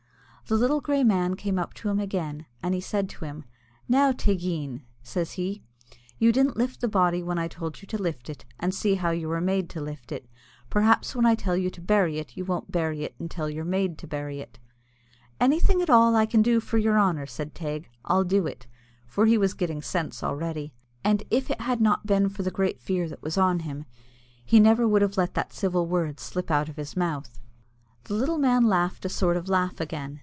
The little grey man came up to him again, and said he to him, "Now, Teig_een_," says he, "you didn't lift the body when I told you to lift it, and see how you were made to lift it; perhaps when I tell you to bury it you won't bury it until you're made to bury it!" "Anything at all that I can do for your honour," said Teig, "I'll do it," for he was getting sense already, and if it had not been for the great fear that was on him, he never would have let that civil word slip out of his mouth. The little man laughed a sort of laugh again.